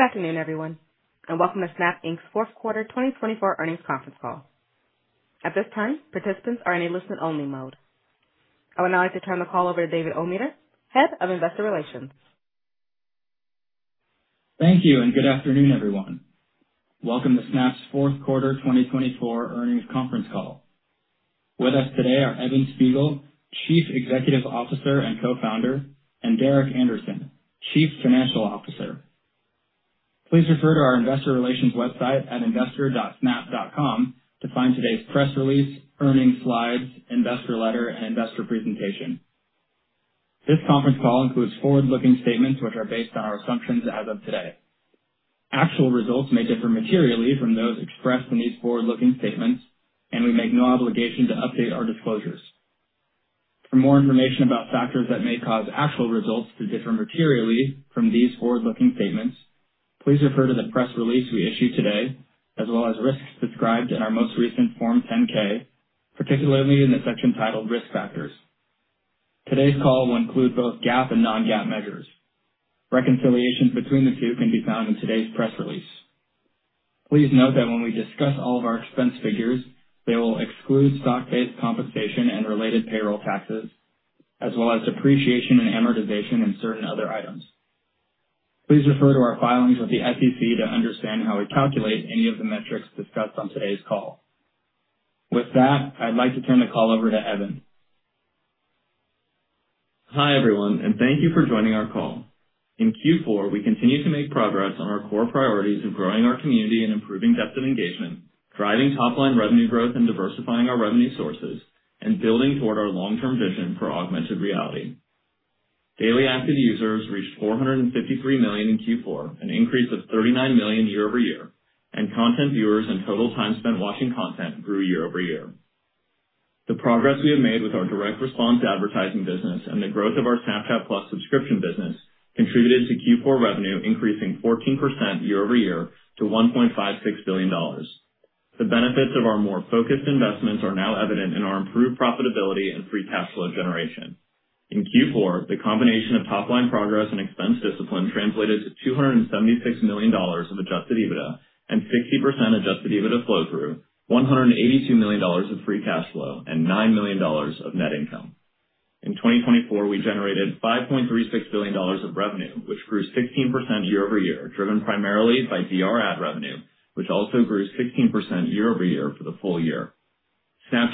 Good afternoon, everyone, and welcome to Snap Inc.'s fourth quarter 2024 earnings conference call. At this time, participants are in a listen-only mode. I would now like to turn the call over to David Ometer, Head of Investor Relations. Thank you, and good afternoon, everyone. Welcome to Snap's fourth quarter 2024 earnings conference call. With us today are Evan Spiegel, Chief Executive Officer and Co-founder, and Derek Andersen, Chief Financial Officer. Please refer to our investor relations website at investor.snap.com to find today's press release, earnings slides, investor letter, and investor presentation. This conference call includes forward-looking statements which are based on our assumptions as of today. Actual results may differ materially from those expressed in these forward-looking statements, and we make no obligation to update our disclosures. For more information about factors that may cause actual results to differ materially from these forward-looking statements, please refer to the press release we issued today, as well as risks described in our most recent Form 10-K, particularly in the section titled Risk Factors. Today's call will include both GAAP and non-GAAP measures. Reconciliations between the two can be found in today's press release. Please note that when we discuss all of our expense figures, they will exclude stock-based compensation and related payroll taxes, as well as depreciation and amortization and certain other items. Please refer to our filings with the SEC to understand how we calculate any of the metrics discussed on today's call. With that, I'd like to turn the call over to Evan. Hi, everyone, and thank you for joining our call. In Q4, we continue to make progress on our core priorities of growing our community and improving depth of engagement, driving top-line revenue growth and diversifying our revenue sources, and building toward our long-term vision for augmented reality. Daily active users reached 453 million in Q4, an increase of 39 million year-over-year, and content viewers and total time spent watching content grew year-over-year. The progress we have made with our direct response advertising business and the growth of our Snapchat+ subscription business contributed to Q4 revenue increasing 14% year-over-year to $1.56 billion. The benefits of our more focused investments are now evident in our improved profitability and free cash flow generation. In Q4, the combination of top-line progress and expense discipline translated to $276 million of adjusted EBITDA and 60% adjusted EBITDA flow-through, $182 million of free cash flow, and $9 million of net income. In 2024, we generated $5.36 billion of revenue, which grew 16% year-over-year, driven primarily by DR ad revenue, which also grew 16% year-over-year for the full year.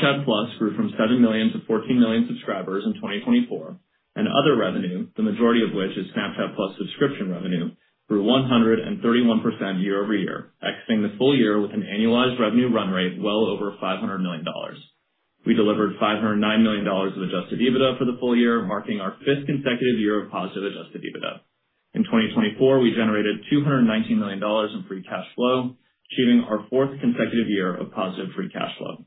Snapchat+ grew from 7 million to 14 million subscribers in 2024, and other revenue, the majority of which is Snapchat+ subscription revenue, grew 131% year-over-year, exiting the full year with an annualized revenue run rate well over $500 million. We delivered $509 million of adjusted EBITDA for the full year, marking our fifth consecutive year of positive adjusted EBITDA. In 2024, we generated $219 million in free cash flow, achieving our fourth consecutive year of positive free cash flow.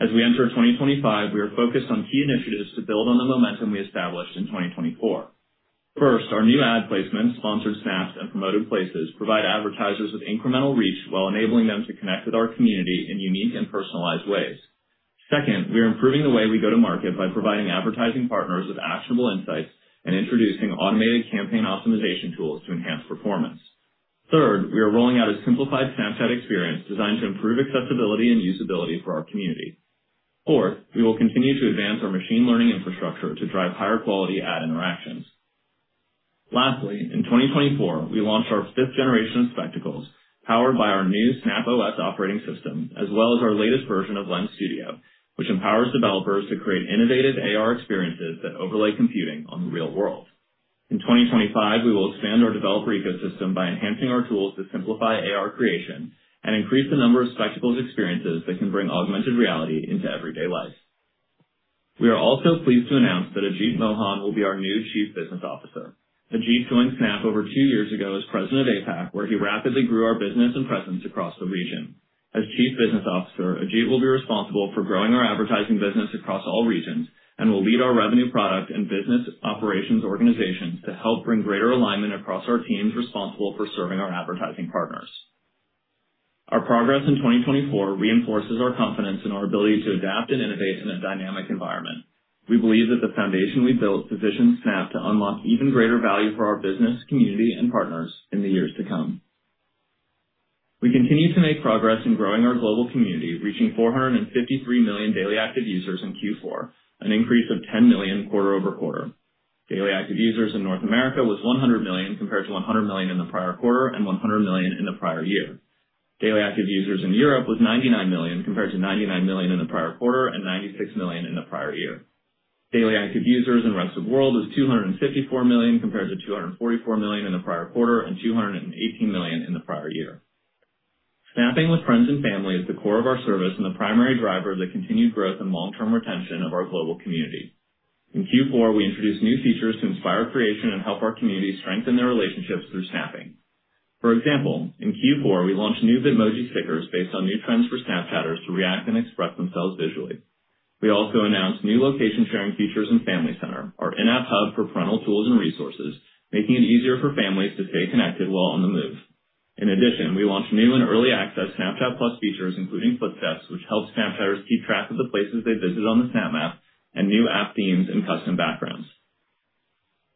As we enter 2025, we are focused on key initiatives to build on the momentum we established in 2024. First, our new ad placements, Sponsored Snaps, and Promoted Places provide advertisers with Incremental Reach while enabling them to connect with our community in unique and personalized ways. Second, we are improving the way we go to market by providing advertising partners with actionable insights and introducing automated campaign optimization tools to enhance performance. Third, we are rolling out a simplified Snapchat experience designed to improve accessibility and usability for our community. Fourth, we will continue to advance our machine learning infrastructure to drive higher quality ad interactions. Lastly, in 2024, we launched our fifth generation of Spectacles, powered by our new Snap OS operating system, as well as our latest version of Lens Studio, which empowers developers to create innovative AR experiences that overlay computing on the real world. In 2025, we will expand our developer ecosystem by enhancing our tools to simplify AR creation and increase the number of Spectacles experiences that can bring augmented reality into everyday life. We are also pleased to announce that Ajit Mohan will be our new Chief Business Officer. Ajit joined Snap over two years ago as President of APAC, where he rapidly grew our business and presence across the region. As Chief Business Officer, Ajit will be responsible for growing our advertising business across all regions and will lead our revenue product and business operations organizations to help bring greater alignment across our teams responsible for serving our advertising partners. Our progress in 2024 reinforces our confidence in our ability to adapt and innovate in a dynamic environment. We believe that the foundation we built positions Snap to unlock even greater value for our business, community, and partners in the years to come. We continue to make progress in growing our global community, reaching 453 million daily active users in Q4, an increase of 10 million quarter over quarter. Daily active users in North America was 100 million compared to 100 million in the prior quarter and 100 million in the prior year. Daily active users in Europe was 99 million compared to 99 million in the prior quarter and 96 million in the prior year. Daily active users in Rest of World was 254 million compared to 244 million in the prior quarter and 218 million in the prior year. Snapping with friends and family is the core of our service and the primary driver of the continued growth and long-term retention of our global community. In Q4, we introduced new features to inspire creation and help our community strengthen their relationships through snapping. For example, in Q4, we launched new Bitmoji stickers based on new trends for Snapchatters to react and express themselves visually. We also announced new location-sharing features in Family Center, our in-app hub for parental tools and resources, making it easier for families to stay connected while on the move. In addition, we launched new and early-access Snapchat+ features, including Footsteps, which helps Snapchatters keep track of the places they visit on the Snap Map, and new app themes and custom backgrounds.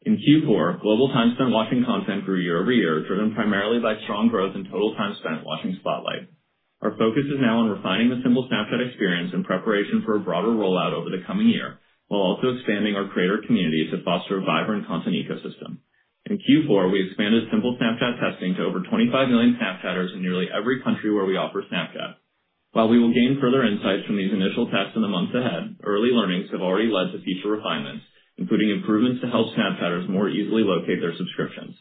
In Q4, global time spent watching content grew year-over-year, driven primarily by strong growth in total time spent watching Spotlight. Our focus is now on refining the Simple Snapchat experience in preparation for a broader rollout over the coming year, while also expanding our creator community to foster a vibrant content ecosystem. In Q4, we expanded Simple Snapchat testing to over 25 million Snapchatters in nearly every country where we offer Snapchat. While we will gain further insights from these initial tests in the months ahead, early learnings have already led to future refinements, including improvements to help Snapchatters more easily locate their subscriptions.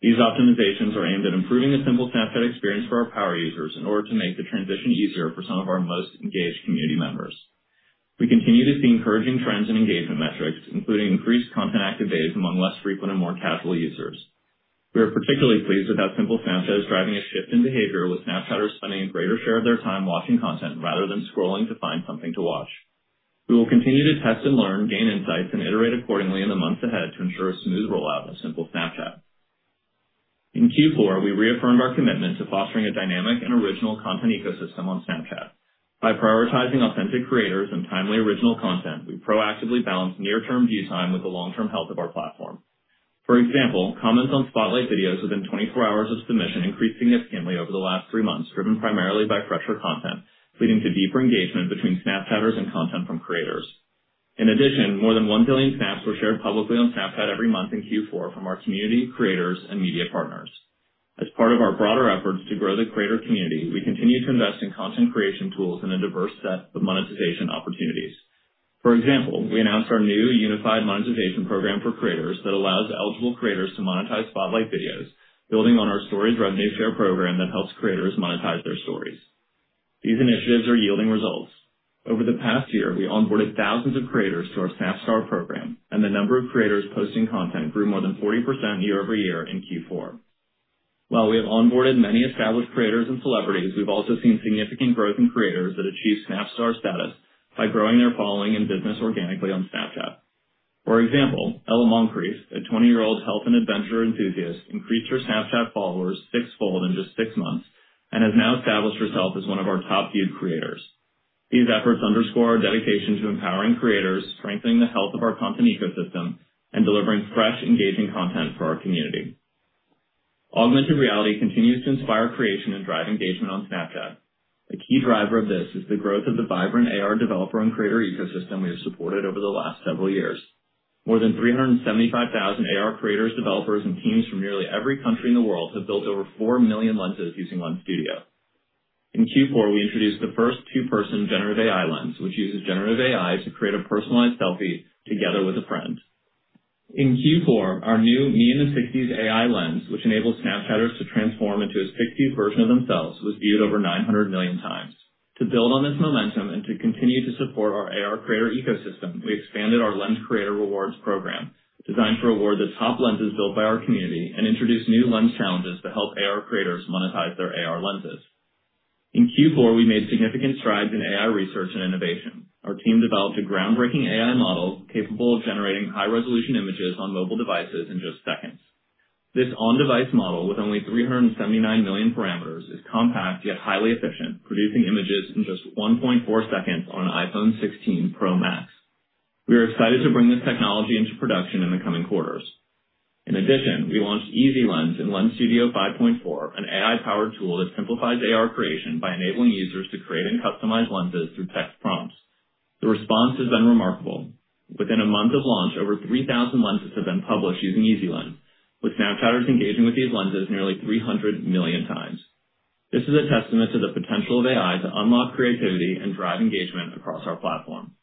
These optimizations are aimed at improving the Simple Snapchat experience for our power users in order to make the transition easier for some of our most engaged community members. We continue to see encouraging trends in engagement metrics, including increased content activity among less frequent and more casual users. We are particularly pleased with how Simple Snapchat is driving a shift in behavior, with Snapchatters spending a greater share of their time watching content rather than scrolling to find something to watch. We will continue to test and learn, gain insights, and iterate accordingly in the months ahead to ensure a smooth rollout of Simple Snapchat. In Q4, we reaffirmed our commitment to fostering a dynamic and original content ecosystem on Snapchat. By prioritizing authentic creators and timely original content, we proactively balanced near-term view time with the long-term health of our platform. For example, comments on Spotlight videos within 24 hours of submission increased significantly over the last three months, driven primarily by fresher content, leading to deeper engagement between Snapchatters and content from creators. In addition, more than 1 billion snaps were shared publicly on Snapchat every month in Q4 from our community, creators, and media partners. As part of our broader efforts to grow the creator community, we continue to invest in content creation tools and a diverse set of monetization opportunities. For example, we announced our new unified monetization program for creators that allows eligible creators to monetize Spotlight videos, building on our stories revenue share program that helps creators monetize their stories. These initiatives are yielding results. Over the past year, we onboarded thousands of creators to our Snap Star program, and the number of creators posting content grew more than 40% year-over-year in Q4. While we have onboarded many established creators and celebrities, we've also seen significant growth in creators that achieve Snap Star status by growing their following and business organically on Snapchat. For example, Ella Moncrieff, a 20-year-old health and adventure enthusiast, increased her Snapchat followers six-fold in just six months and has now established herself as one of our top-viewed creators. These efforts underscore our dedication to empowering creators, strengthening the health of our content ecosystem, and delivering fresh, engaging content for our community. Augmented reality continues to inspire creation and drive engagement on Snapchat. A key driver of this is the growth of the vibrant AR developer and creator ecosystem we have supported over the last several years. More than 375,000 AR creators, developers, and teams from nearly every country in the world have built over 4 million lenses using Lens Studio. In Q4, we introduced the first two-person generative AI lens, which uses generative AI to create a personalized selfie together with a friend. In Q4, our new Me in the '60s AI lens, which enables Snapchatters to transform into a '60s version of themselves, was viewed over 900 million times. To build on this momentum and to continue to support our AR creator ecosystem, we expanded our Lens Creator Rewards program, designed to reward the top lenses built by our community, and introduced new lens challenges to help AR creators monetize their AR lenses. In Q4, we made significant strides in AI research and innovation. Our team developed a groundbreaking AI model capable of generating high-resolution images on mobile devices in just seconds. This on-device model with only 379 million parameters is compact yet highly efficient, producing images in just 1.4 seconds on an iPhone 16 Pro Max. We are excited to bring this technology into production in the coming quarters. In addition, we launched Easy Lens in Lens Studio 5.4, an AI-powered tool that simplifies AR creation by enabling users to create and customize lenses through text prompts. The response has been remarkable. Within a month of launch, over 3,000 lenses have been published using Easy Lens, with Snapchatters engaging with these lenses nearly 300 million times. This is a testament to the potential of AI to unlock creativity and drive engagement across our platform.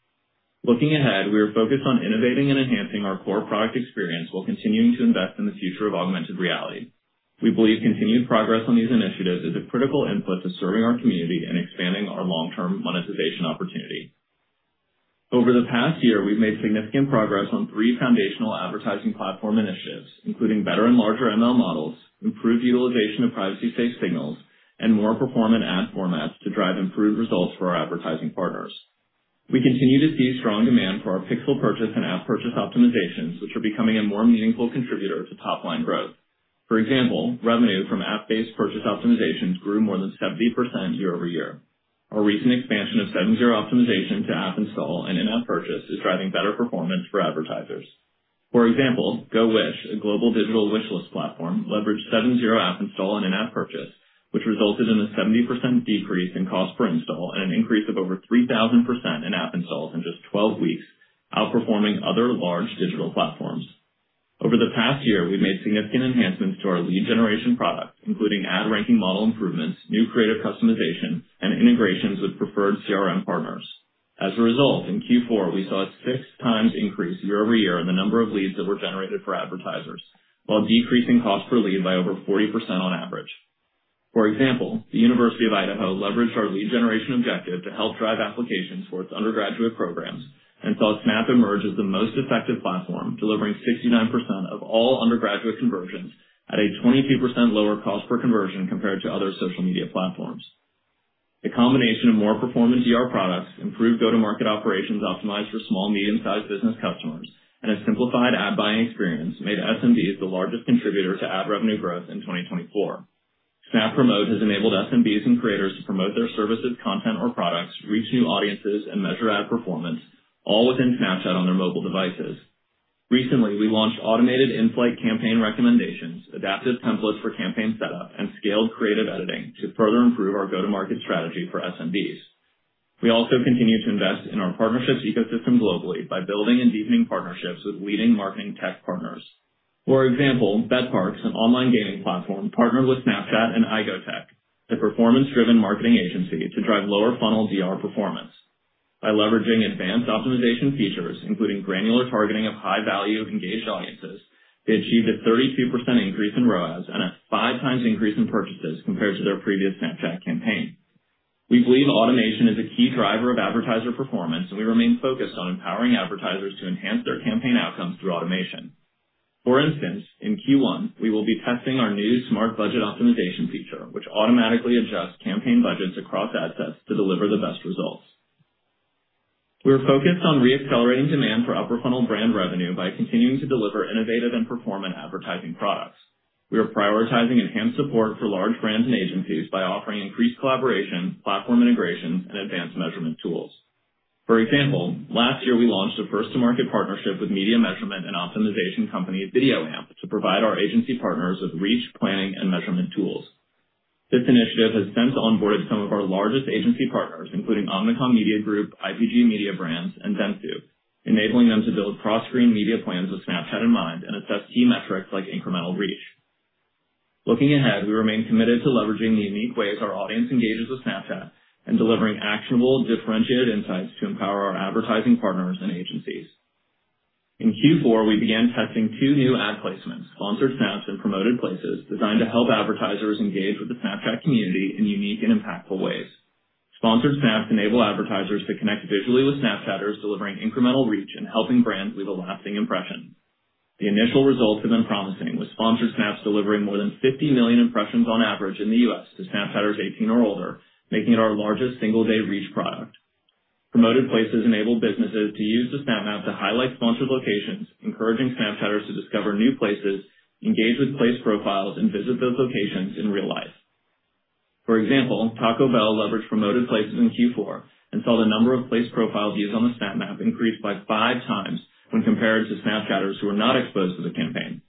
Looking ahead, we are focused on innovating and enhancing our core product experience while continuing to invest in the future of augmented reality. We believe continued progress on these initiatives is a critical input to serving our community and expanding our long-term monetization opportunity. Over the past year, we've made significant progress on three foundational advertising platform initiatives, including better and larger ML models, improved utilization of privacy-safe signals, and more performant ad formats to drive improved results for our advertising partners. We continue to see strong demand for our pixel purchase and app purchase optimizations, which are becoming a more meaningful contributor to top-line growth. For example, revenue from app-based purchase optimizations grew more than 70% year-over-year. Our recent expansion of 7/0 optimization to app install and in-app purchase is driving better performance for advertisers. For example, GoWish, a global digital wishlist platform, leveraged 7/0 app install and in-app purchase, which resulted in a 70% decrease in cost per install and an increase of over 3,000% in app installs in just 12 weeks, outperforming other large digital platforms. Over the past year, we've made significant enhancements to our lead generation product, including ad ranking model improvements, new creative customization, and integrations with preferred CRM partners. As a result, in Q4, we saw a six-times increase year-over-year in the number of leads that were generated for advertisers, while decreasing cost per lead by over 40% on average. For example, the University of Idaho leveraged our lead generation objective to help drive applications for its undergraduate programs and saw Snap emerge as the most effective platform, delivering 69% of all undergraduate conversions at a 22% lower cost per conversion compared to other social media platforms. The combination of more performant DR products, improved go-to-market operations optimized for small, medium-sized business customers, and a simplified ad buying experience made SMBs the largest contributor to ad revenue growth in 2024. Snap Promote has enabled SMBs and creators to promote their services, content, or products, reach new audiences, and measure ad performance, all within Snapchat on their mobile devices. Recently, we launched automated inflight campaign recommendations, adaptive templates for campaign setup, and scaled creative editing to further improve our go-to-market strategy for SMBs. We also continue to invest in our partnerships ecosystem globally by building and deepening partnerships with leading marketing tech partners. For example, betPARX, an online gaming platform, partnered with Snapchat and Algo, a performance-driven marketing agency, to drive lower-funnel DR performance. By leveraging advanced optimization features, including granular targeting of high-value engaged audiences, they achieved a 32% increase in ROAS and a five-times increase in purchases compared to their previous Snapchat campaign. We believe automation is a key driver of advertiser performance, and we remain focused on empowering advertisers to enhance their campaign outcomes through automation. For instance, in Q1, we will be testing our new smart budget optimization feature, which automatically adjusts campaign budgets across ad sets to deliver the best results. We are focused on re-accelerating demand for upper-funnel brand revenue by continuing to deliver innovative and performant advertising products. We are prioritizing enhanced support for large brands and agencies by offering increased collaboration, platform integrations, and advanced measurement tools. For example, last year, we launched a first-to-market partnership with media measurement and optimization company VideoAmp to provide our agency partners with reach, planning, and measurement tools. This initiative has since onboarded some of our largest agency partners, including Omnicom Media Group, IPG Mediabrands, and Dentsu, enabling them to build cross-screen media plans with Snapchat in mind and assess key metrics like incremental reach. Looking ahead, we remain committed to leveraging the unique ways our audience engages with Snapchat and delivering actionable, differentiated insights to empower our advertising partners and agencies. In Q4, we began testing two new ad placements, Sponsored Snaps and Promoted Places, designed to help advertisers engage with the Snapchat community in unique and impactful ways. Sponsored Snaps enable advertisers to connect visually with Snapchatters, delivering incremental reach and helping brands leave a lasting impression. The initial results have been promising, with Sponsored Snaps delivering more than 50 million impressions on average in the U.S. to Snapchatters 18 or older, making it our largest single-day reach product. Promoted Places enabled businesses to use the Snap Map to highlight sponsored locations, encouraging Snapchatters to discover new places, engage with place profiles, and visit those locations in real life. For example, Taco Bell leveraged Promoted Places in Q4 and saw the number of place profile views on the Snap Map increase by five times when compared to Snapchatters who were not exposed to the campaign.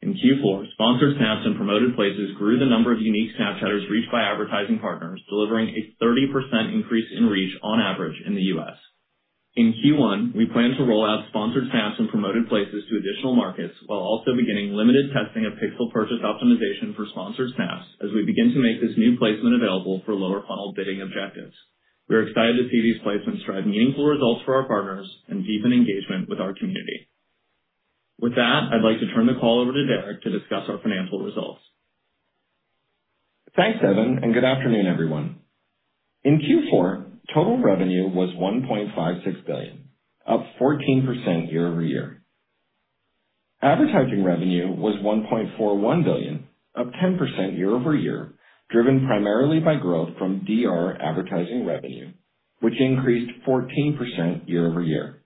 In Q4, Sponsored Snaps and Promoted Places grew the number of unique Snapchatters reached by advertising partners, delivering a 30% increase in reach on average in the U.S. In Q1, we plan to roll out Sponsored Snaps and Promoted Places to additional markets while also beginning limited testing of Pixel Purchase optimization for Sponsored Snaps as we begin to make this new placement available for lower-funnel bidding objectives. We are excited to see these placements drive meaningful results for our partners and deepen engagement with our community. With that, I'd like to turn the call over to Derek to discuss our financial results. Thanks, Evan, and good afternoon, everyone. In Q4, total revenue was $1.56 billion, up 14% year-over-year. Advertising revenue was $1.41 billion, up 10% year-over-year, driven primarily by growth from DR advertising revenue, which increased 14% year-over-year.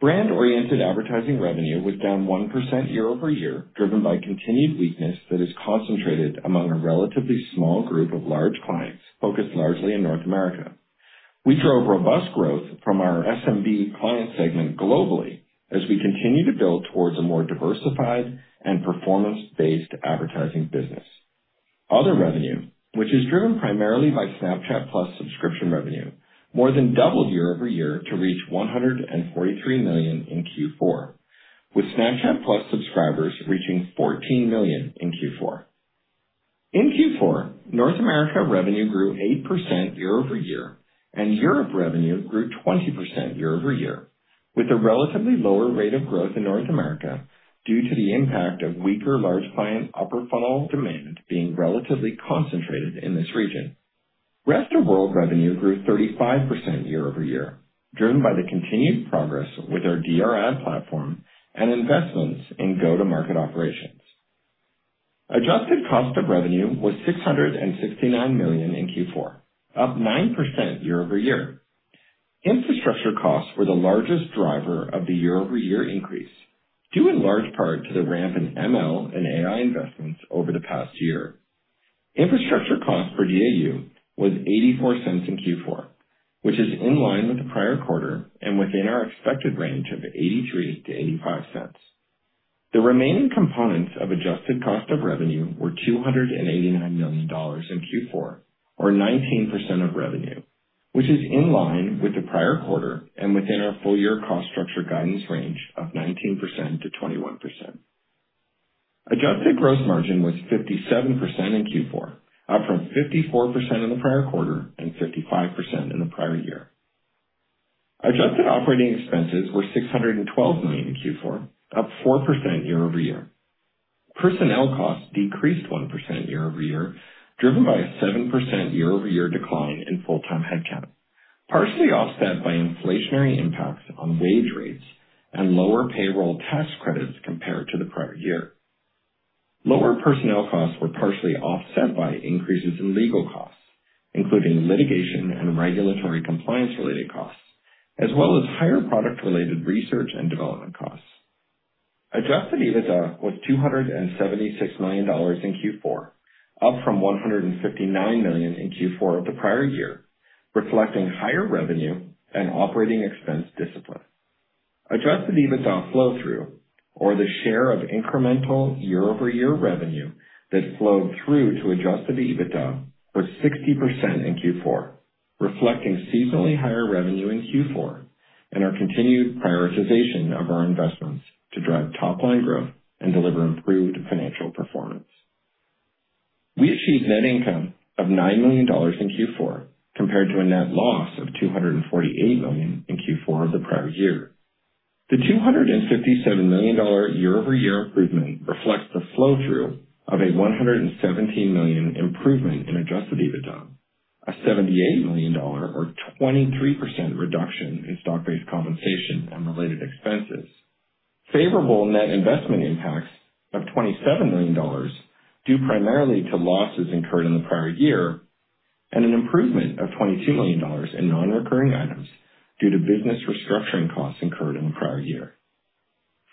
Brand-oriented advertising revenue was down 1% year-over-year, driven by continued weakness that is concentrated among a relatively small group of large clients focused largely in North America. We drove robust growth from our SMB client segment globally as we continue to build towards a more diversified and performance-based advertising business. Other revenue, which is driven primarily by Snapchat+ subscription revenue, more than doubled year-over-year to reach $143 million in Q4, with Snapchat+ subscribers reaching 14 million in Q4. In Q4, North America revenue grew 8% year-over-year, and Europe revenue grew 20% year-over-year, with a relatively lower rate of growth in North America due to the impact of weaker large client upper-funnel demand being relatively concentrated in this region. Rest of World revenue grew 35% year-over-year, driven by the continued progress with our DR ad platform and investments in go-to-market operations. Adjusted Cost of Revenue was $669 million in Q4, up 9% year-over-year. Infrastructure costs were the largest driver of the year-over-year increase, due in large part to the ramp in ML and AI investments over the past year. Infrastructure cost per DAU was $0.84 in Q4, which is in line with the prior quarter and within our expected range of $0.83-$0.85. The remaining components of adjusted cost of revenue were $289 million in Q4, or 19% of revenue, which is in line with the prior quarter and within our full-year cost structure guidance range of 19%-21%. Adjusted gross margin was 57% in Q4, up from 54% in the prior quarter and 55% in the prior year. Adjusted operating expenses were $612 million in Q4, up 4% year-over-year. Personnel costs decreased 1% year-over-year, driven by a 7% year-over-year decline in full-time headcount, partially offset by inflationary impacts on wage rates and lower payroll tax credits compared to the prior year. Lower personnel costs were partially offset by increases in legal costs, including litigation and regulatory compliance-related costs, as well as higher product-related research and development costs. Adjusted EBITDA was $276 million in Q4, up from $159 million in Q4 of the prior year, reflecting higher revenue and operating expense discipline. Adjusted EBITDA flow-through, or the share of incremental year-over-year revenue that flowed through to adjusted EBITDA, was 60% in Q4, reflecting seasonally higher revenue in Q4 and our continued prioritization of our investments to drive top-line growth and deliver improved financial performance. We achieved net income of $9 million in Q4 compared to a net loss of $248 million in Q4 of the prior year. The $257 million year-over-year improvement reflects the flow-through of a $117 million improvement in Adjusted EBITDA, a $78 million, or 23% reduction in Stock-Based Compensation and related expenses. Favorable net investment impacts of $27 million due primarily to losses incurred in the prior year and an improvement of $22 million in non-recurring items due to business restructuring costs incurred in the prior year.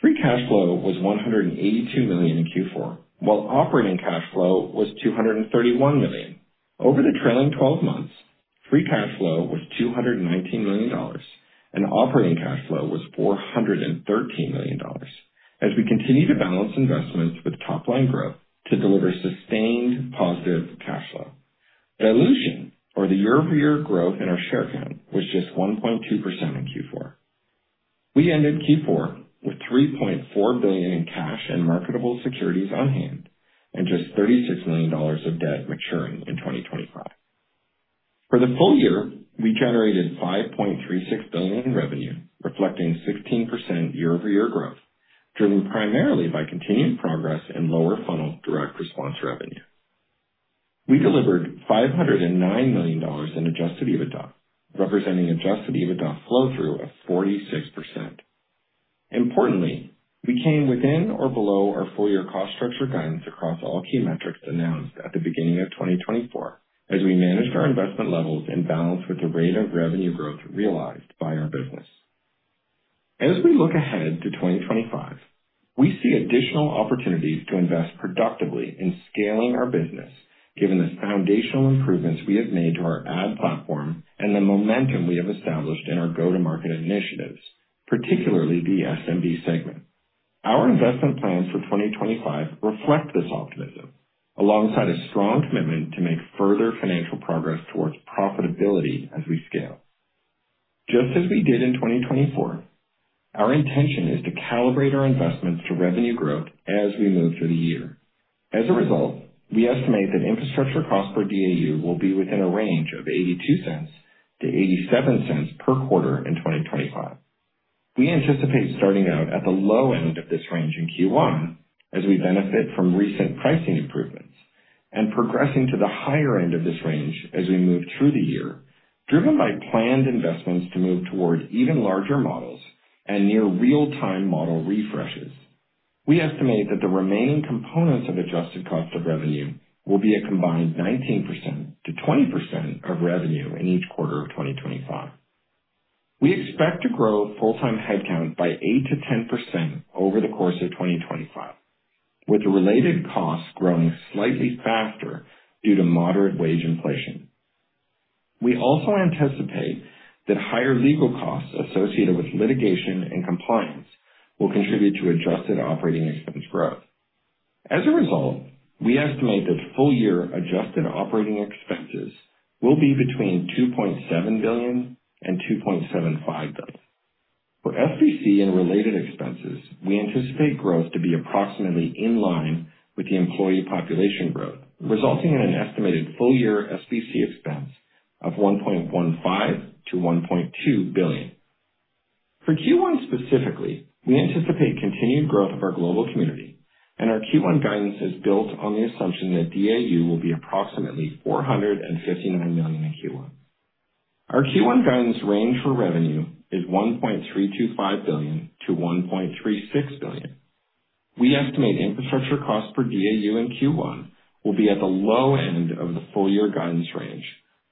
Free Cash Flow was $182 million in Q4, while Operating Cash Flow was $231 million. Over the trailing 12 months, Free Cash Flow was $219 million and Operating Cash Flow was $413 million as we continue to balance investments with top-line growth to deliver sustained positive cash flow. Dilution, or the year-over-year growth in our share count, was just 1.2% in Q4. We ended Q4 with $3.4 billion in cash and marketable securities on hand and just $36 million of debt maturing in 2025. For the full year, we generated $5.36 billion in revenue, reflecting 16% year-over-year growth, driven primarily by continued progress in lower-funnel direct response revenue. We delivered $509 million in adjusted EBITDA, representing adjusted EBITDA flow-through of 46%. Importantly, we came within or below our full-year cost structure guidance across all key metrics announced at the beginning of 2024 as we managed our investment levels in balance with the rate of revenue growth realized by our business. As we look ahead to 2025, we see additional opportunities to invest productively in scaling our business given the foundational improvements we have made to our ad platform and the momentum we have established in our go-to-market initiatives, particularly the SMB segment. Our investment plans for 2025 reflect this optimism, alongside a strong commitment to make further financial progress towards profitability as we scale. Just as we did in 2024, our intention is to calibrate our investments to revenue growth as we move through the year. As a result, we estimate that infrastructure cost per DAU will be within a range of $0.82-$0.87 per quarter in 2025. We anticipate starting out at the low end of this range in Q1 as we benefit from recent pricing improvements, and progressing to the higher end of this range as we move through the year, driven by planned investments to move toward even larger models and near real-time model refreshes. We estimate that the remaining components of adjusted cost of revenue will be a combined 19%-20% of revenue in each quarter of 2025. We expect to grow full-time headcount by eight to 10% over the course of 2025, with related costs growing slightly faster due to moderate wage inflation. We also anticipate that higher legal costs associated with litigation and compliance will contribute to adjusted operating expense growth. As a result, we estimate that full-year adjusted operating expenses will be between $2.7 billion and $2.75 billion. For SBC and related expenses, we anticipate growth to be approximately in line with the employee population growth, resulting in an estimated full-year SBC expense of $1.15-$1.2 billion. For Q1 specifically, we anticipate continued growth of our global community, and our Q1 guidance is built on the assumption that DAU will be approximately 459 million in Q1. Our Q1 guidance range for revenue is $1.325-$1.36 billion. We estimate infrastructure cost per DAU in Q1 will be at the low end of the full-year guidance range,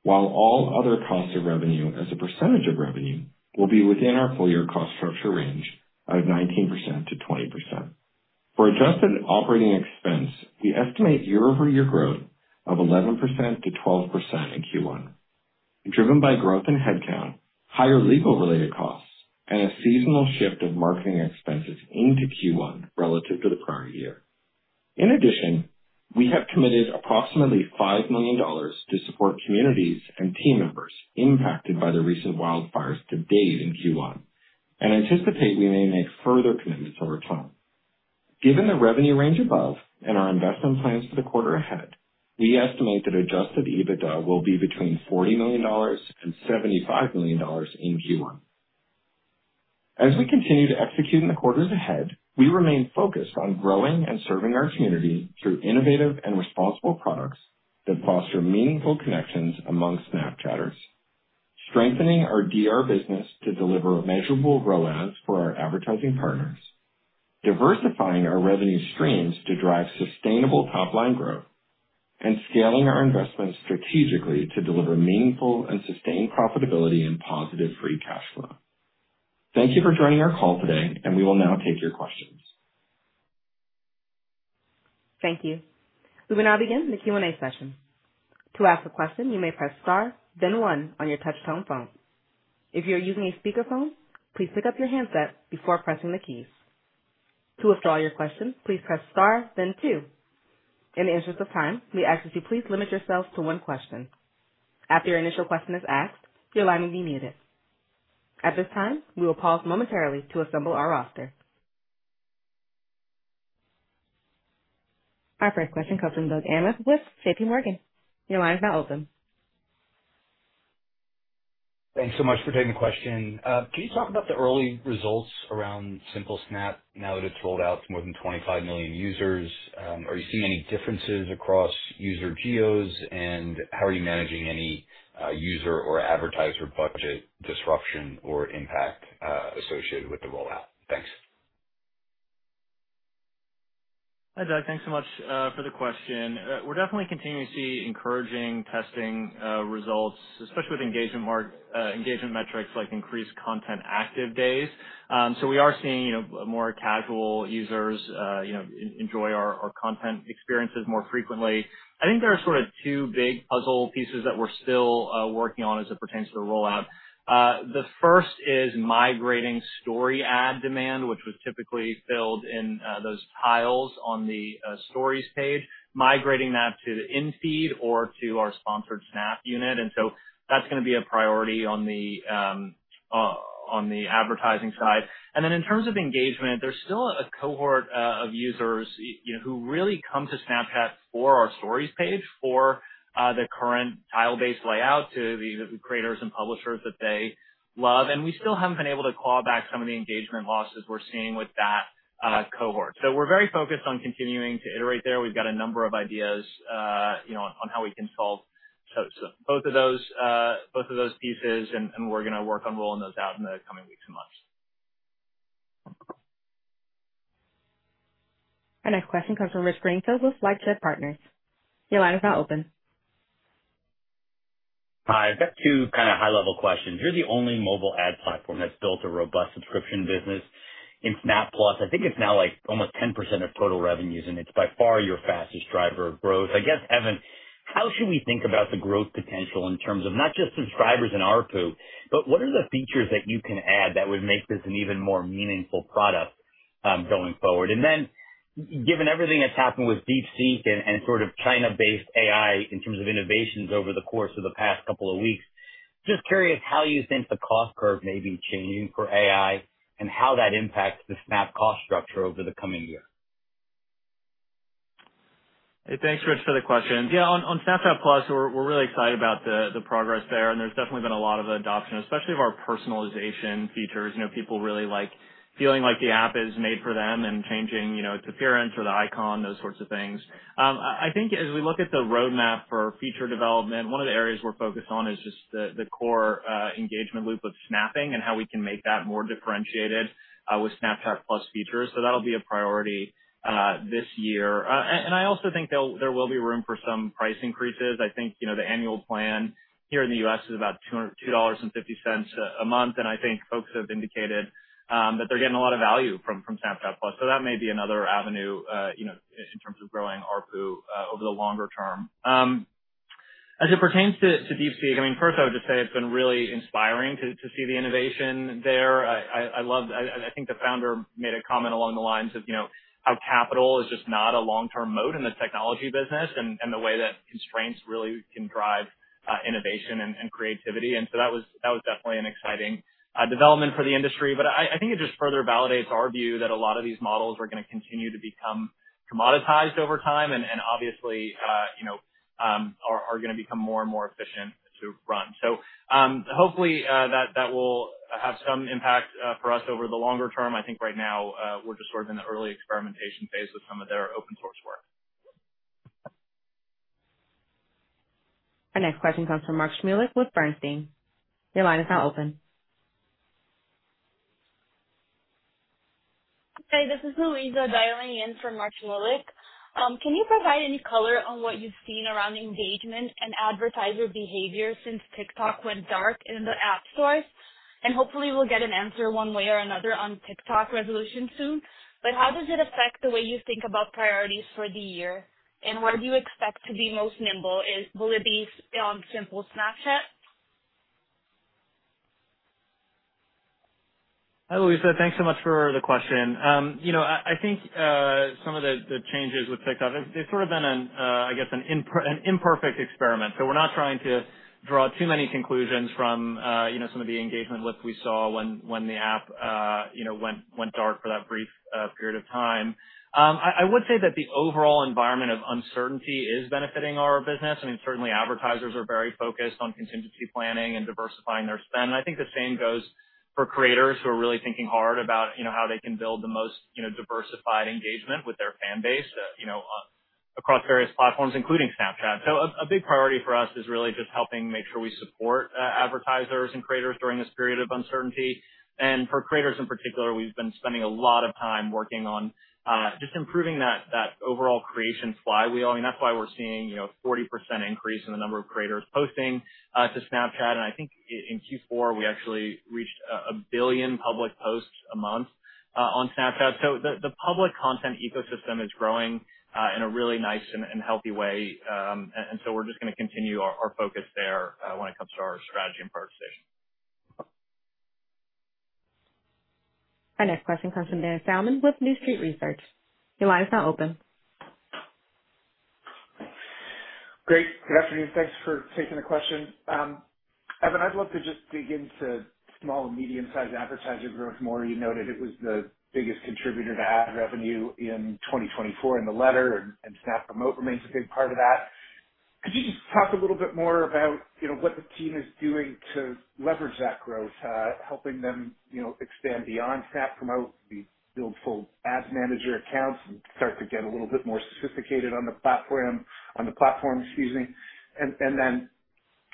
while all other costs of revenue as a percentage of revenue will be within our full-year cost structure range of 19%–20%. For adjusted operating expense, we estimate year-over-year growth of 11%–12% in Q1, driven by growth in headcount, higher legal-related costs, and a seasonal shift of marketing expenses into Q1 relative to the prior year. In addition, we have committed approximately $5 million to support communities and team members impacted by the recent wildfires to date in Q1 and anticipate we may make further commitments over time. Given the revenue range above and our investment plans for the quarter ahead, we estimate that adjusted EBITDA will be between $40 million and $75 million in Q1. As we continue to execute in the quarters ahead, we remain focused on growing and serving our community through innovative and responsible products that foster meaningful connections among Snapchatters, strengthening our DR business to deliver measurable rollouts for our advertising partners, diversifying our revenue streams to drive sustainable top-line growth, and scaling our investments strategically to deliver meaningful and sustained profitability and positive free cash flow. Thank you for joining our call today, and we will now take your questions. Thank you. We will now begin the Q&A session. To ask a question, you may press Star, then 1 on your touch-tone phone. If you are using a speakerphone, please pick up your handset before pressing the keys. To withdraw your question, please press Star, then 2. In the interest of time, we ask that you please limit yourself to one question. After your initial question is asked, your line will be muted. At this time, we will pause momentarily to assemble our roster. Our first question comes from Doug Anmuth with JPMorgan. Your line is now open. Thanks so much for taking the question. Can you talk about the early results around Simple Snap now that it's rolled out to more than 25 million users? Are you seeing any differences across user geos, and how are you managing any user or advertiser budget disruption or impact associated with the rollout? Thanks. Hi, Doug. Thanks so much for the question. We're definitely continuing to see encouraging testing results, especially with engagement metrics like increased content active days. So we are seeing more casual users enjoy our content experiences more frequently. I think there are sort of two big puzzle pieces that we're still working on as it pertains to the rollout. The first is migrating Stories ad demand, which was typically filled in those tiles on the Stories page, migrating that to the in-feed or to our Sponsored Snaps, and so that's going to be a priority on the advertising side, and then in terms of engagement, there's still a cohort of users who really come to Snapchat for our Stories page for the current tile-based layout to the creators and publishers that they love, and we still haven't been able to claw back some of the engagement losses we're seeing with that cohort, so we're very focused on continuing to iterate there. We've got a number of ideas on how we can solve both of those pieces, and we're going to work on rolling those out in the coming weeks and months. Our next question comes from Rich Greenfield with LightShed Partners. Your line is now open. Hi. I've got two kind of high-level questions. You're the only mobile ad platform that's built a robust subscription business in Snap+. I think it's now like almost 10% of total revenues, and it's by far your fastest driver of growth. I guess, Evan, how should we think about the growth potential in terms of not just subscribers and RPU, but what are the features that you can add that would make this an even more meaningful product going forward? And then, given everything that's happened with DeepSeek and sort of China-based AI in terms of innovations over the course of the past couple of weeks, just curious how you think the cost curve may be changing for AI and how that impacts the Snap cost structure over the coming year. Hey, thanks, Rich, for the question. Yeah, on Snapchat+, we're really excited about the progress there, and there's definitely been a lot of adoption, especially of our personalization features. People really like feeling like the app is made for them and changing its appearance or the icon, those sorts of things. I think as we look at the roadmap for feature development, one of the areas we're focused on is just the core engagement loop of snapping and how we can make that more differentiated with Snapchat+ features. So that'll be a priority this year, and I also think there will be room for some price increases. I think the annual plan here in the U.S. is about $2.50 a month, and I think folks have indicated that they're getting a lot of value from Snapchat+. So that may be another avenue in terms of growing RPU over the longer term. As it pertains to DeepSeek, I mean, first, I would just say it's been really inspiring to see the innovation there. I think the founder made a comment along the lines of how capital is just not a long-term mode in the technology business and the way that constraints really can drive innovation and creativity, and so that was definitely an exciting development for the industry, but I think it just further validates our view that a lot of these models are going to continue to become commoditized over time and obviously are going to become more and more efficient to run, so hopefully that will have some impact for us over the longer term. I think right now we're just sort of in the early experimentation phase with some of their open-source work. Our next question comes from Mark Shmulik with Bernstein. Your line is now open. Hey, this is Luiza dialing in for Mark Shmulik. Can you provide any color on what you've seen around engagement and advertiser behavior since TikTok went dark in the app stores? And hopefully we'll get an answer one way or another on TikTok resolution soon. But how does it affect the way you think about priorities for the year? And where do you expect to be most nimble? Will it be on Simple Snapchat? Hi, Luisa. Thanks so much for the question. I think some of the changes with TikTok, they've sort of been, I guess, an imperfect experiment. So we're not trying to draw too many conclusions from some of the engagement looks we saw when the app went dark for that brief period of time. I would say that the overall environment of uncertainty is benefiting our business. I mean, certainly advertisers are very focused on contingency planning and diversifying their spend. And I think the same goes for creators who are really thinking hard about how they can build the most diversified engagement with their fan base across various platforms, including Snapchat. So a big priority for us is really just helping make sure we support advertisers and creators during this period of uncertainty. And for creators in particular, we've been spending a lot of time working on just improving that overall creation flywheel. I mean, that's why we're seeing a 40% increase in the number of creators posting to Snapchat. And I think in Q4 we actually reached a billion public posts a month on Snapchat. So the public content ecosystem is growing in a really nice and healthy way. And so we're just going to continue our focus there when it comes to our strategy and prioritization. Our next question comes from Dan Salmon with New Street Research. Your line is now open. Great. Good afternoon. Thanks for taking the question. Evan, I'd love to just dig into small and medium-sized advertiser growth more. You noted it was the biggest contributor to ad revenue in 2024 in the letter, and Snap Promote remains a big part of that. Could you just talk a little bit more about what the team is doing to leverage that growth, helping them expand beyond Snap Promote, build full ads manager accounts, and start to get a little bit more sophisticated on the platform, excuse me? And then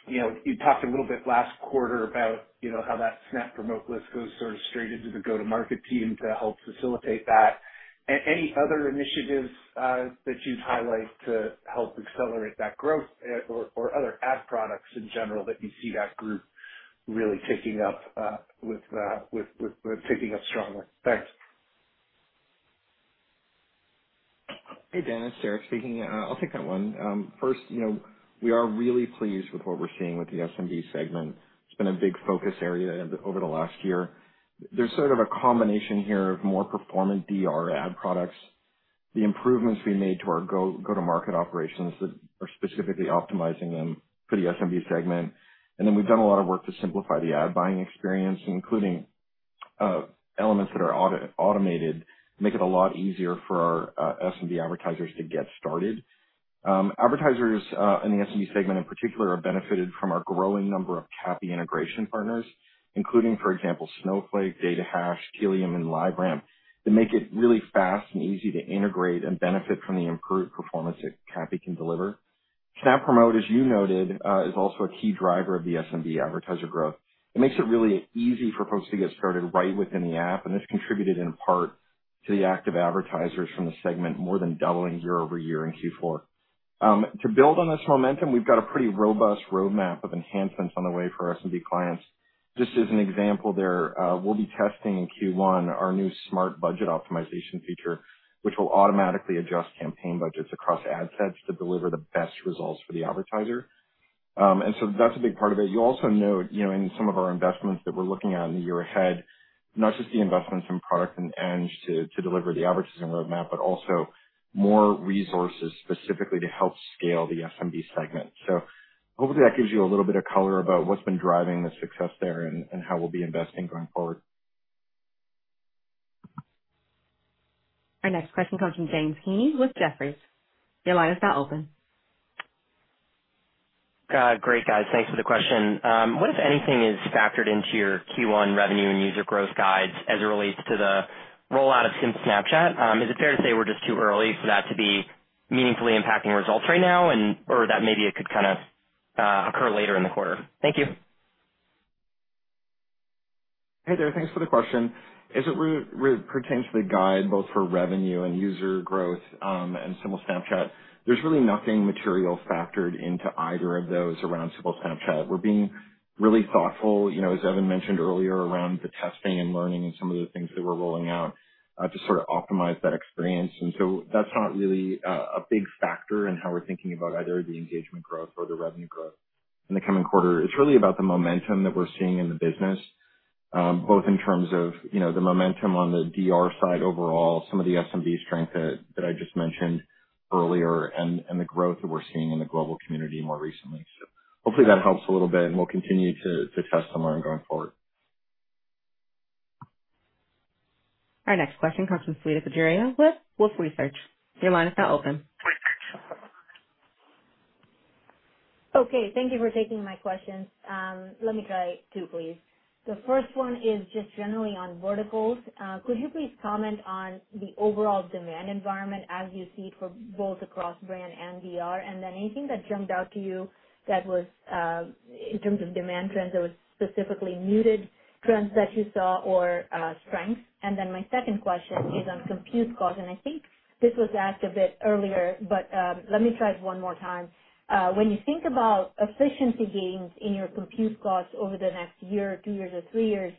you talked a little bit last quarter about how that Snap Promote list goes sort of straight into the go-to-market team to help facilitate that. Any other initiatives that you'd highlight to help accelerate that growth or other ad products in general that you see that group really taking up strongly? Thanks. Hey, Dan, Derek speaking. I'll take that one. First, we are really pleased with what we're seeing with the SMB segment. It's been a big focus area over the last year. There's sort of a combination here of more performant DR ad products, the improvements we made to our go-to-market operations that are specifically optimizing them for the SMB segment. And then we've done a lot of work to simplify the ad buying experience, including elements that are automated, make it a lot easier for our SMB advertisers to get started. Advertisers in the SMB segment in particular have benefited from our growing number of CAPI integration partners, including, for example, Snowflake, Datahash, Tealium, and LiveRamp, that make it really fast and easy to integrate and benefit from the improved performance that CAPI can deliver. Snap Promote, as you noted, is also a key driver of the SMB advertiser growth. It makes it really easy for folks to get started right within the app, and this contributed in part to the active advertisers from the segment more than doubling year over year in Q4. To build on this momentum, we've got a pretty robust roadmap of enhancements on the way for SMB clients. Just as an example there, we'll be testing in Q1 our new smart budget optimization feature, which will automatically adjust campaign budgets across ad sets to deliver the best results for the advertiser. And so that's a big part of it. You also note in some of our investments that we're looking at in the year ahead, not just the investments in product and R&D to deliver the advertising roadmap, but also more resources specifically to help scale the SMB segment. So hopefully that gives you a little bit of color about what's been driving the success there and how we'll be investing going forward. Our next question comes from James Heaney with Jefferies. Your line is now open. Great, guys. Thanks for the question. What, if anything, is factored into your Q1 revenue and user growth guides as it relates to the rollout of Simple Snapchat? Is it fair to say we're just too early for that to be meaningfully impacting results right now, or that maybe it could kind of occur later in the quarter? Thank you. Hey, there. Thanks for the question. As it pertains to the guide both for revenue and user growth and Simple Snapchat, there's really nothing material factored into either of those around Simple Snapchat. We're being really thoughtful, as Evan mentioned earlier, around the testing and learning and some of the things that we're rolling out to sort of optimize that experience, and so that's not really a big factor in how we're thinking about either the engagement growth or the revenue growth in the coming quarter. It's really about the momentum that we're seeing in the business, both in terms of the momentum on the DR side overall, some of the SMB strength that I just mentioned earlier, and the growth that we're seeing in the global community more recently, so hopefully that helps a little bit, and we'll continue to test and learn going forward. Our next question comes from Shweta Khajuria with Wolfe Research. Your line is now open. Okay. Thank you for taking my questions. Let me try two, please. The first one is just generally on verticals. Could you please comment on the overall demand environment as you see it for both across brand and DR? And then anything that jumped out to you that was in terms of demand trends that was specifically muted trends that you saw or strengths? And then my second question is on compute cost. And I think this was asked a bit earlier, but let me try it one more time. When you think about efficiency gains in your compute costs over the next year, two years, or three years,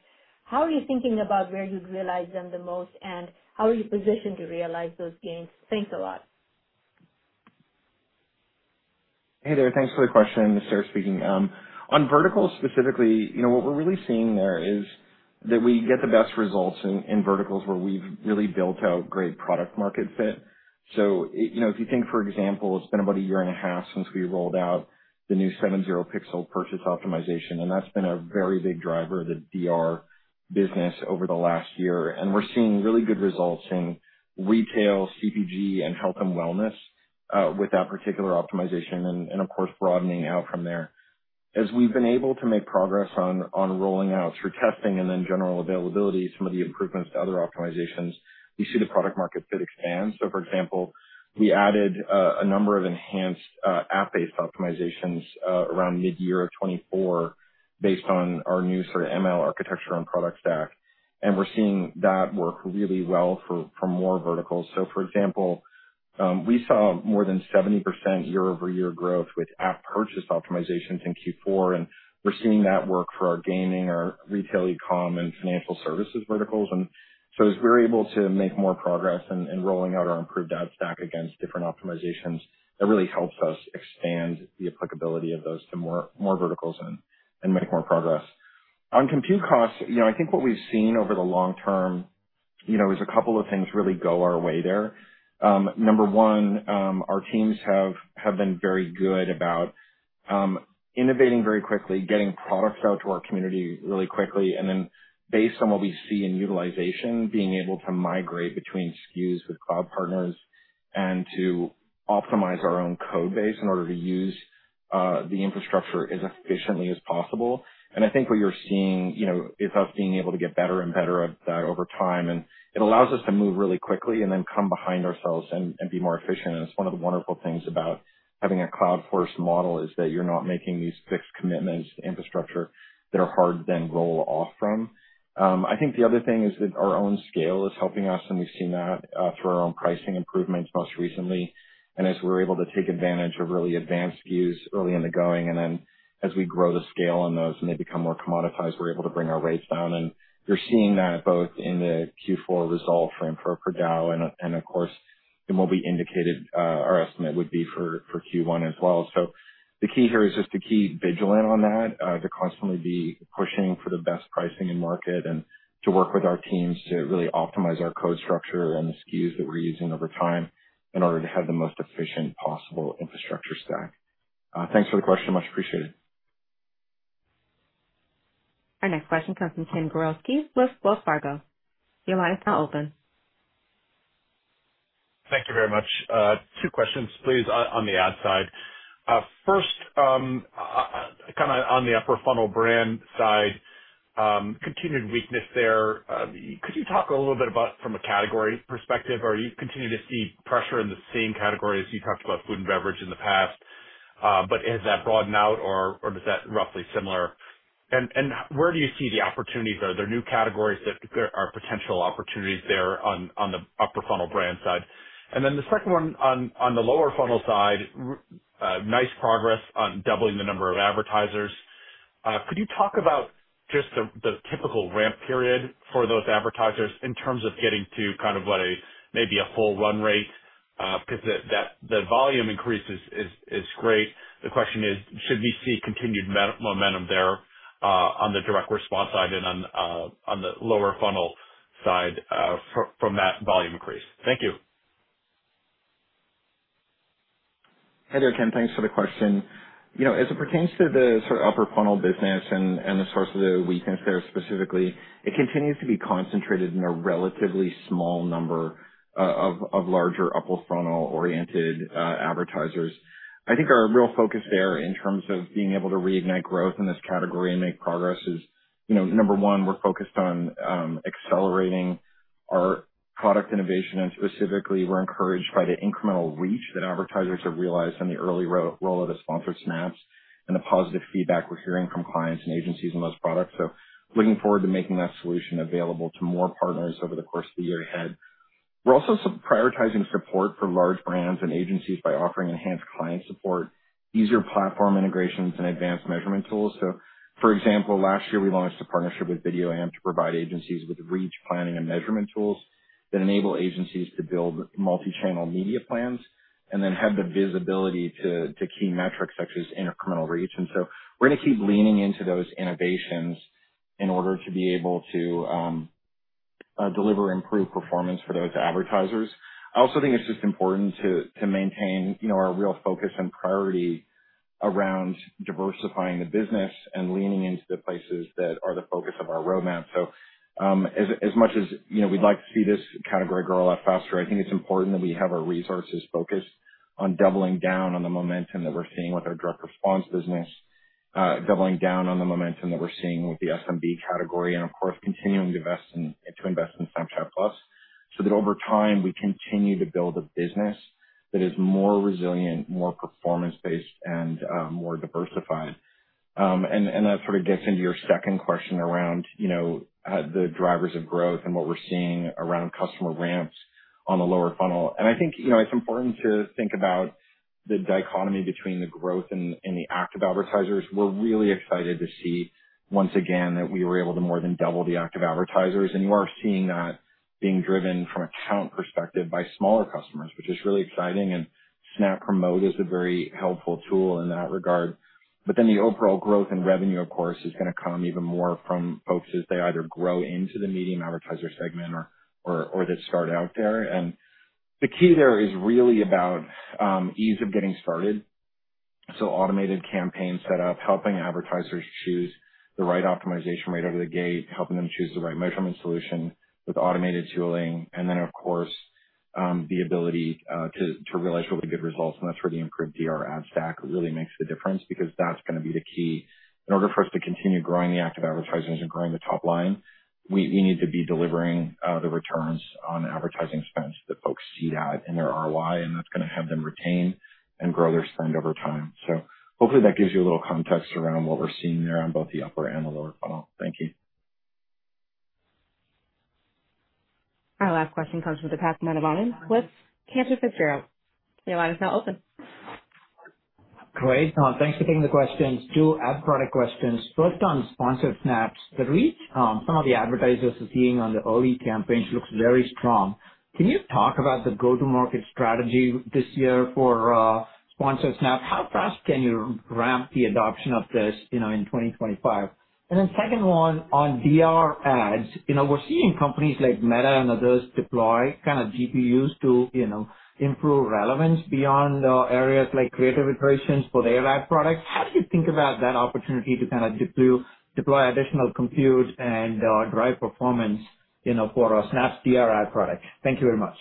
how are you thinking about where you'd realize them the most, and how are you positioned to realize those gains? Thanks a lot. Hey, there. Thanks for the question, Mr. Shmulik. On verticals specifically, what we're really seeing there is that we get the best results in verticals where we've really built out great product-market fit. So if you think, for example, it's been about a year and a half since we rolled out the new 7/0 Pixel purchase optimization, and that's been a very big driver of the DR business over the last year. And we're seeing really good results in retail, CPG, and health and wellness with that particular optimization and, of course, broadening out from there. As we've been able to make progress on rolling out through testing and then general availability, some of the improvements to other optimizations, we see the product-market fit expand. So, for example, we added a number of enhanced app-based optimizations around mid-year of 2024 based on our new sort of ML architecture and product stack. And we're seeing that work really well for more verticals. So, for example, we saw more than 70% year-over-year growth with app purchase optimizations in Q4, and we're seeing that work for our gaming, our retail, e-com, and financial services verticals. And so, as we're able to make more progress in rolling out our improved ad stack against different optimizations, that really helps us expand the applicability of those to more verticals and make more progress. On compute costs, I think what we've seen over the long term is a couple of things really go our way there. Number one, our teams have been very good about innovating very quickly, getting products out to our community really quickly, and then based on what we see in utilization, being able to migrate between SKUs with cloud partners and to optimize our own code base in order to use the infrastructure as efficiently as possible. And I think what you're seeing is us being able to get better and better at that over time. And it allows us to move really quickly and then come behind ourselves and be more efficient. And it's one of the wonderful things about having a cloud-first model, is that you're not making these fixed commitments to infrastructure that are hard to then roll off from. I think the other thing is that our own scale is helping us, and we've seen that through our own pricing improvements most recently. As we're able to take advantage of really advanced SKUs early in the going, and then as we grow the scale on those and they become more commoditized, we're able to bring our rates down. You're seeing that both in the Q4 result for infra per DAU, and of course, in what we indicated, our estimate would be for Q1 as well. The key here is just to keep vigilant on that, to constantly be pushing for the best pricing and market, and to work with our teams to really optimize our code structure and the SKUs that we're using over time in order to have the most efficient possible infrastructure stack. Thanks for the question. Much appreciated. Our next question comes from Ken Gawrelski with Wells Fargo. Your line is now open. Thank you very much. Two questions, please, on the ad side. First, kind of on the upper-funnel brand side, continued weakness there. Could you talk a little bit about from a category perspective? Are you continuing to see pressure in the same category as you talked about food and beverage in the past, but has that broadened out, or is that roughly similar? And where do you see the opportunities? Are there new categories that are potential opportunities there on the upper-funnel brand side? And then the second one on the lower-funnel side, nice progress on doubling the number of advertisers. Could you talk about just the typical ramp period for those advertisers in terms of getting to kind of maybe a full run rate? Because the volume increase is great. The question is, should we see continued momentum there on the direct response side and on the lower-funnel side from that volume increase? Thank you. Hey there, Ken. Thanks for the question. As it pertains to the sort of Upper-Funnel business and the source of the weakness there specifically, it continues to be concentrated in a relatively small number of larger upper-funnel-oriented advertisers. I think our real focus there in terms of being able to reignite growth in this category and make progress is, number one, we're focused on accelerating our product innovation, and specifically, we're encouraged by the Incremental Reach that advertisers have realized in the early rollout of the Sponsored Snaps and the positive feedback we're hearing from clients and agencies on those products, so looking forward to making that solution available to more partners over the course of the year ahead. We're also prioritizing support for large brands and agencies by offering enhanced client support, easier platform integrations, and advanced measurement tools. For example, last year, we launched a partnership with VideoAmp to provide agencies with reach planning and measurement tools that enable agencies to build multi-channel media plans and then have the visibility to key metrics such as incremental reach. And so we're going to keep leaning into those innovations in order to be able to deliver improved performance for those advertisers. I also think it's just important to maintain our real focus and priority around diversifying the business and leaning into the places that are the focus of our roadmap. So as much as we'd like to see this category grow a lot faster, I think it's important that we have our resources focused on doubling down on the momentum that we're seeing with our direct response business, doubling down on the momentum that we're seeing with the SMB category, and, of course, continuing to invest in Snapchat+ so that over time, we continue to build a business that is more resilient, more performance-based, and more diversified. And that sort of gets into your second question around the drivers of growth and what we're seeing around customer ramps on the lower funnel. And I think it's important to think about the dichotomy between the growth and the active advertisers. We're really excited to see, once again, that we were able to more than double the active advertisers. And you are seeing that being driven from a count perspective by smaller customers, which is really exciting. And Snap Promote is a very helpful tool in that regard. But then the overall growth and revenue, of course, is going to come even more from folks as they either grow into the medium advertiser segment or that start out there. And the key there is really about ease of getting started. So automated campaign setup, helping advertisers choose the right optimization rate out of the gate, helping them choose the right measurement solution with automated tooling, and then, of course, the ability to realize really good results. And that's where the improved DR ad stack really makes the difference because that's going to be the key. In order for us to continue growing the active advertisers and growing the top line, we need to be delivering the returns on advertising spends that folks see that in their ROI, and that's going to have them retain and grow their spend over time. So hopefully, that gives you a little context around what we're seeing there on both the upper and the lower funnel. Thank you. Our last question comes from Deepak Mathivanan with Cantor Fitzgerald. Your line is now open. Great. Thanks for taking the questions. Two ad product questions. First, on Sponsored Snaps, the reach some of the advertisers are seeing on the early campaigns looks very strong. Can you talk about the go-to-market strategy this year for Sponsored Snaps? How fast can you ramp the adoption of this in 2025? And then second one, on DR ads, we're seeing companies like Meta and others deploy kind of GPUs to improve relevance beyond areas like creative iterations for their ad products. How do you think about that opportunity to kind of deploy additional compute and drive performance for a Snap's DR ad product? Thank you very much.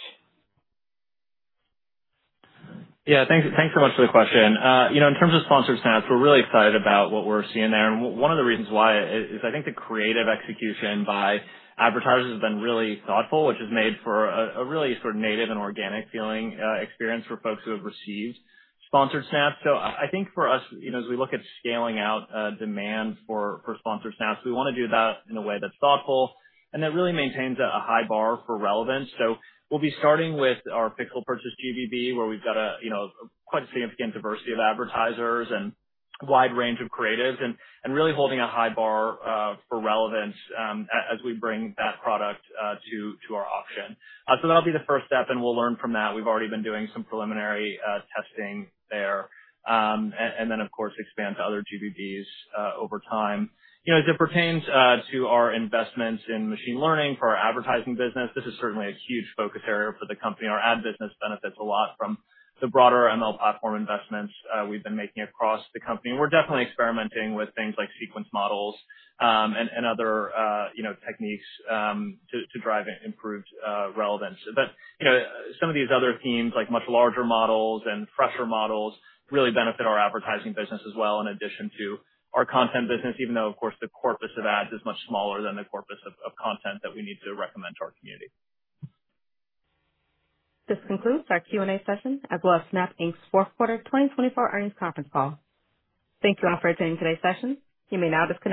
Yeah. Thanks so much for the question. In terms of Sponsored Snaps, we're really excited about what we're seeing there. And one of the reasons why is I think the creative execution by advertisers has been really thoughtful, which has made for a really sort of native and organic feeling experience for folks who have received Sponsored Snaps. So I think for us, as we look at scaling out demand for Sponsored Snaps, we want to do that in a way that's thoughtful and that really maintains a high bar for relevance. So we'll be starting with our Pixel Purchase GBB, where we've got quite a significant diversity of advertisers and a wide range of creatives and really holding a high bar for relevance as we bring that product to our auction. So that'll be the first step, and we'll learn from that. We've already been doing some preliminary testing there. And then, of course, expand to other GBBs over time. As it pertains to our investments in Machine Learning for our advertising business, this is certainly a huge focus area for the company. Our ad business benefits a lot from the broader ML platform investments we've been making across the company. We're definitely experimenting with things like sequence models and other techniques to drive improved relevance. But some of these other themes, like much larger models and fresher models, really benefit our advertising business as well in addition to our content business, even though, of course, the corpus of ads is much smaller than the corpus of content that we need to recommend to our community. This concludes our Q&A session as well as Snap Inc.'s fourth quarter 2024 earnings conference call. Thank you all for attending today's session. You may now disconnect.